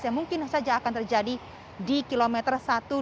yang mungkin saja akan terjadi di kilometer satu